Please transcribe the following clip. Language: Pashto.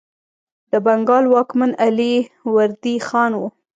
د بنګال واکمن علي وردي خان و.